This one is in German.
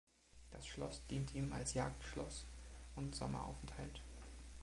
Das Schloss dient ihm als Jagdschloss und Sommeraufenthalt.